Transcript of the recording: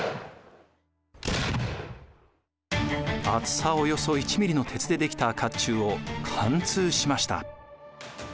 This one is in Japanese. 厚さおよそ１ミリの鉄で出来た甲冑を貫通しました。